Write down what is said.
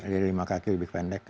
jadi lima kaki lebih pendek